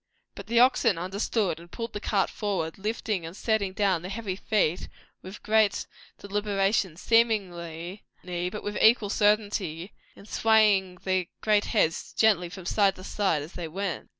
But the oxen understood, and pulled the cart forward; lifting and setting down their heavy feet with great deliberation seemingly, but with equal certain'ty, and swaying their great heads gently from side to side as they went.